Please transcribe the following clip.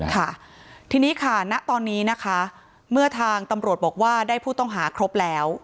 ค่ะทีนี้ค่ะณตอนนี้นะคะเมื่อทางตำรวจบอกว่าได้ผู้ต้องหาครบแล้ว